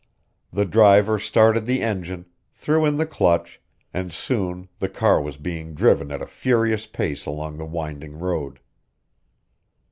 The driver started the engine, threw in the clutch, and soon the car was being driven at a furious pace along the winding road.